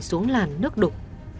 xuống làn nước đục